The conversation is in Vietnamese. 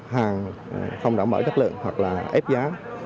hàng không đảm bảo chất lượng hoặc là ép giá